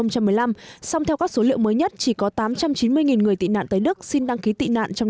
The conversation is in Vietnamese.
song theo các số liệu mới nhất chỉ có tám trăm chín mươi người tị nạn tới đức xin đăng ký tị nạn trong